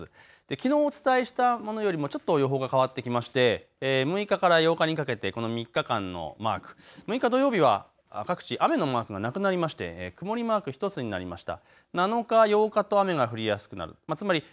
きのうお伝えしたものよりもちょっと予報が変わってきまして６日から８日にかけて３日間のマーク、６日土曜日は各地雨のマークがなくなりまして曇りマークになりました。